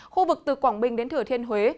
khu vực từ quảng bình đến thừa thiên huế